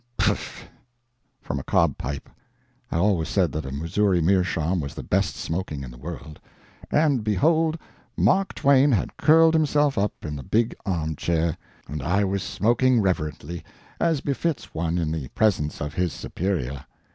"Piff!" from a cob pipe (I always said that a Missouri meerschaum was the best smoking in the world), and, behold! Mark Twain had curled himself up in the[Pg 171] big armchair, and I was smoking reverently, as befits one in the presence of his superior.